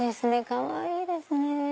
かわいいですね！